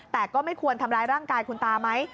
แต่ก็ไม่ควรทำร้ายร่างกายคุณตาไหม